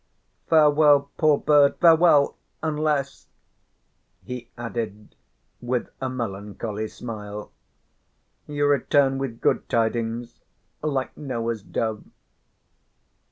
Farewell, poor bird! Farewell! Unless," he added with a melancholy smile, "you return with good tidings like Noah's dove."